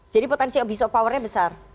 jadi potensi abuse of powernya besar